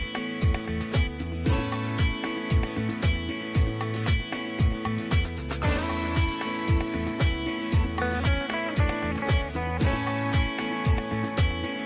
ขอบคุณนะครับ